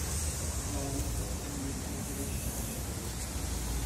Larissa é muito inteligente.